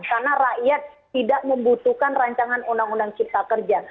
karena rakyat tidak membutuhkan rancangan undang undang ciptakerja